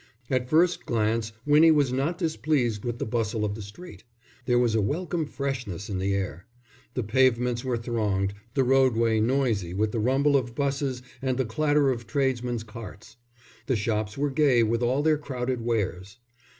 At first glance Winnie was not displeased with the bustle of the street. There was a welcome freshness in the air. The pavements were thronged, the roadway noisy with the rumble of 'buses and the clatter of tradesmen's carts; the shops were gay with all their crowded wares.